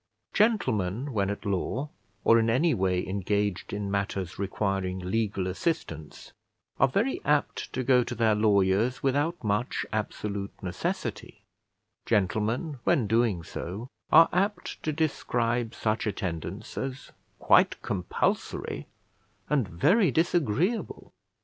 Gentlemen when at law, or in any way engaged in matters requiring legal assistance, are very apt to go to their lawyers without much absolute necessity; gentlemen when doing so, are apt to describe such attendance as quite compulsory, and very disagreeable.